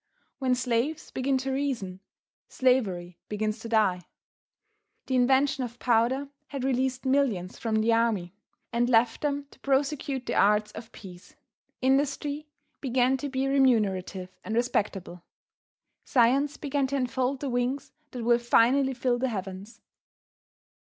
When slaves begin to reason, slavery begins to die. The invention of powder had released millions from the army, and left them to prosecute the arts of peace. Industry began to be remunerative and respectable. Science began to unfold the wings that will finally fill the heavens.